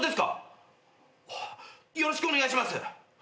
よろしくお願いします！